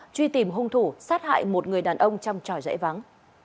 truy tìm hung thủ sát hại một người đàn ông trong trò dễ vắng